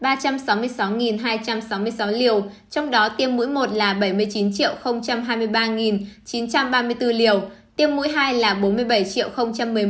trong đó tiêm mũi một là bảy mươi chín hai mươi ba chín trăm ba mươi bốn liều tiêm mũi hai là bốn mươi bảy một mươi một sáu trăm hai mươi ba liều